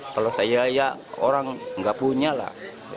kalau saya ya orang nggak punya lah